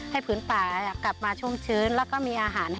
ผืนป่ากลับมาชุ่มชื้นแล้วก็มีอาหาร